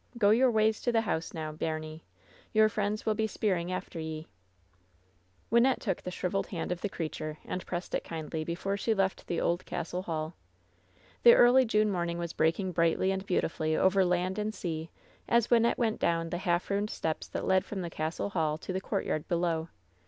Go your ways to the house now, baimie. Tour friends will be speiring after ye." Wynnette took the shriveled hand of the creature and pressed it kindly before she left the old castle hall. The early June morning was breaking brightly and beautifully over land and sea as Wynnette went down the half ruined steps that led from the castle hall to the courtyard below.